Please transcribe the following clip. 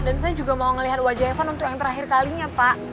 dan saya juga mau ngelihat wajah evan untuk yang terakhir kalinya pak